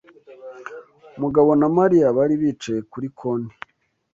Mugabo na Mariya bari bicaye kuri konti.